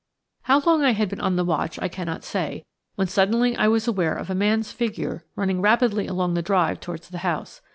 How long I had been on the watch I cannot say, when suddenly I was aware of a man's figure running rapidly along the drive towards the house.